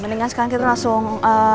mendingan sekarang kita langsung